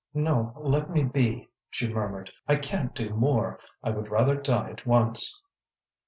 "No, let me be," she murmured. "I can't do more; I would rather die at once."